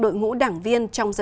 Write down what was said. tổ chức đảng cơ sở